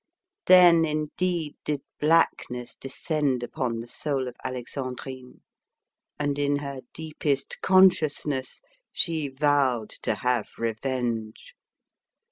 Then indeed did blackness descend upon the soul of Alexandrine, and in her deepest consciousness she vowed to have revenge.